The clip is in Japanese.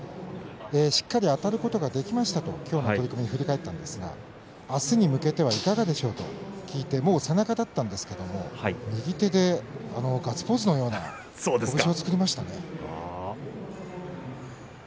しっかりあたることができましたと今日の取組を振り返ったんですが明日に向けていかがでしょう？と聞いてもう背中だったんですが右手でガッツポーズのような拳を作りましたね。